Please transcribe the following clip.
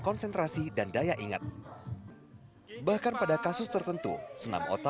katanya begini senam ya